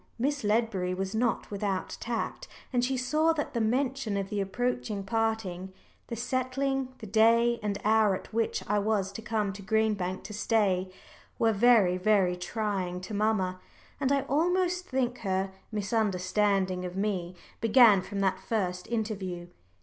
Miss Ledbury was not without tact, and she saw that the mention of the approaching parting, the settling the day and hour at which I was to come to Green Bank to stay, were very, very trying to mamma. And I almost think her misunderstanding of me began from that first interview.